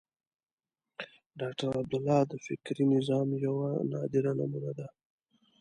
ډاکټر عبدالله د فکري نظام یوه نادره نمونه ده.